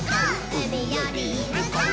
うみよりむこう！？」